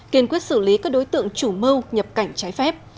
kiên quyết xử lý các đối tượng chủ mưu nhập cảnh trái phép